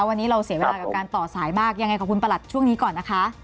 วันนี้เราเสียเวลากับการต่อสายมากยังไงขอบคุณประหลัดช่วงนี้ก่อนนะคะ